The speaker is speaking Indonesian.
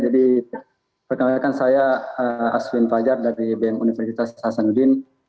jadi perkenalkan saya aswin fajar dari bum universitas hasanuddin